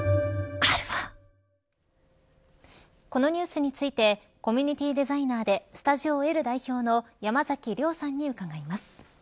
このニュースについてコミュニティーデザイナーでｓｔｕｄｉｏ‐Ｌ代表の山崎亮さんに伺います。